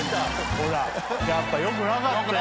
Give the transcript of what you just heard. ほらやっぱよくなかったよ。